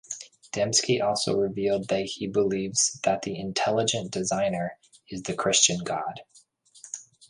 Dembski also revealed that he believes that the "intelligent designer" is the Christian god.